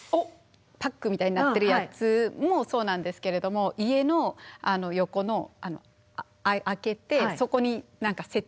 パックみたいになってるやつもそうなんですけれども家の横の開けてそこに何か設置できるやつ。